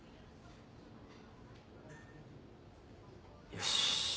よし。